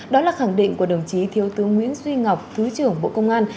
đó là khẳng định của đồng chí thiếu tướng nguyễn duy ngọc thứ trưởng bộ công an